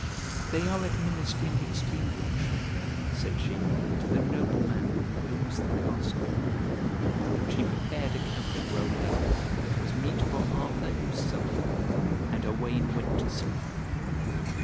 "They are administering extreme unction," said she, "to the nobleman who owns the castle." And she prepared a couch for Owain which was meet for Arthur himself, and Owain went to sleep.